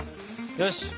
よし！